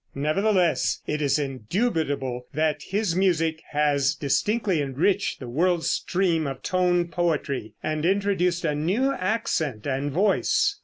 Nevertheless, it is indubitable that his music has distinctly enriched the world's stream of tone poetry, and introduced a new accent and voice.